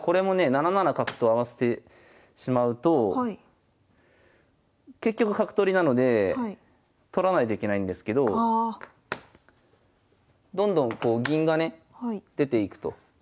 ７七角と合わせてしまうと結局角取りなので取らないといけないんですけどどんどんこう銀がね出ていくと。